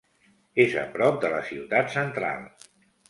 És a prop de la ciutat central.